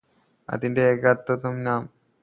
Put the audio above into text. അതിന്റെ ഏകത്വം നാം